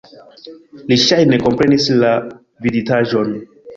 Li ŝajne komprenis la viditaĵon.